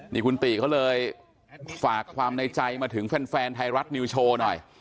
นี่คุณติเขาเลยฝากความในใจมาถึงแฟนไทยรัฐนิวโชว์หน่อย